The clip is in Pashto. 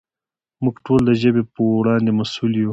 موږ ټول د ژبې په وړاندې مسؤل یو.